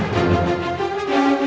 dan ilmu yang